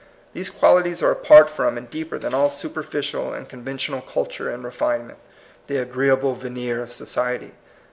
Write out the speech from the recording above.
These qualities are apart from and deeper than all superficial and conven tional culture and refinement, the agreea ble veneer of society.